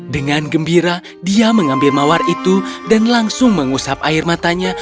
dengan gembira dia mengambil mawar itu dan langsung mengusap air matanya